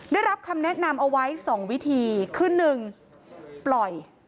ได้รับคำแนะนำเอาไว้๒วิธีคือ๑ปล่อย